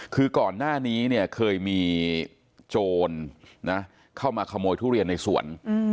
คือก่อนหน้านี้เนี่ยเคยมีโจรเข้ามาขโมยทุเรียนในสวน